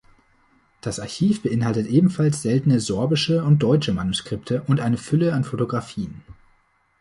Das Archiv beinhaltet ebenfalls seltene sorbische und deutsche Manuskripte und eine Fülle an Fotografien.